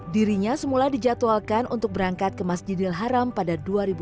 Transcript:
dirinya semula dijadwalkan untuk berangkat ke masjidil haram pada dua ribu dua puluh